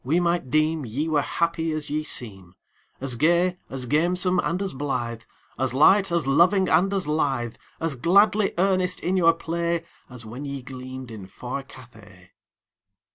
we might deem Ye were happy as ye seem As gay, as gamesome, and as blithe, As light, as loving, and as lithe, As gladly earnest in your play, As when ye gleamed in far Cathay.